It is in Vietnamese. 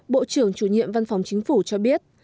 bộ trưởng chủ nhiệm văn phòng chính phủ cho biết